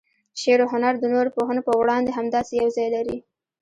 شعر و هنر د نورو پوهنو په وړاندې همداسې یو ځای لري.